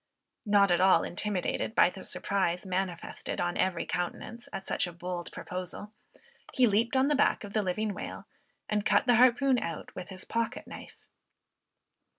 Not at all intimidated by the surprise manifested on every countenance at such a bold proposal, he leaped on the back of the living whale, and cut the harpoon out with his pocket knife.